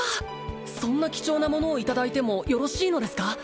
そんな貴重なものをいただいてもよろしいのですか？